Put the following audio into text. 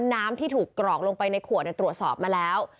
น้ำที่ถูกกรอกลงไปในขวดตรวจสอบมาแล้ว